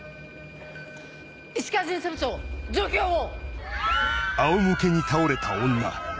石川巡査部長状況を！